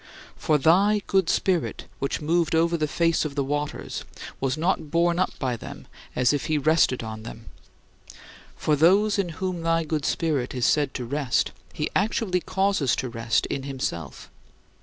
For thy good Spirit which moved over the face of the waters was not borne up by them as if he rested on them. For those in whom thy good Spirit is said to rest he actually causes to rest in himself.